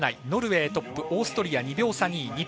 ノルウェー、トップオーストリア２秒差、２位。